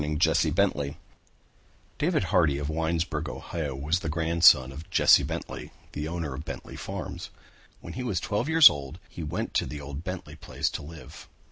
GODLINESS PART TWO David Hardy of Winesburg, Ohio, was the grandson of Jesse Bentley, the owner of Bentley farms. When he was twelve years old he went to the old Bentley place to live.